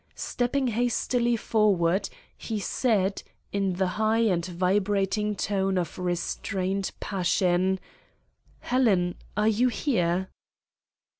Stepping hastily forward he said, in the high and vibrating tone of restrained passion: "Helen, are you here?"